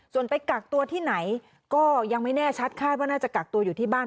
ส่วนไปกักตัวที่ไหนก็ยังไม่แน่ชัดคาดว่าน่าจะกักตัวอยู่ที่บ้าน